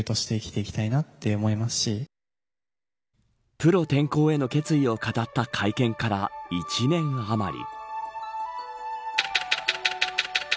プロ転向への決意を語った会見から１年あまり。